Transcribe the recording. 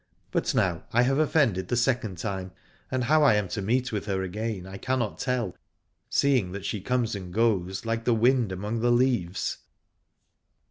But now I have offended the second time, and how I am to meet with her again I cannot tell, seeing that she comes and goes like the wind among the leaves.